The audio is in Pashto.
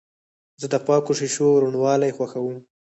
زه د پاکو شیشو روڼوالی خوښوم.